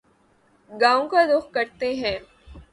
گاوں کا رخ کرتے ہیں